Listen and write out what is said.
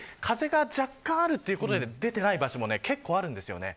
風が若干があるということで出ていない場所も結構あるんです。